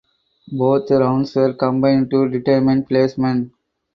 Both rounds were combined to determine placement.